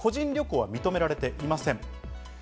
個人旅行は認められていません。